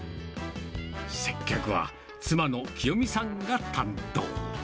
接客は、妻の喜代美さんが担当。